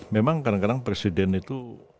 memang kadang kadang presiden itu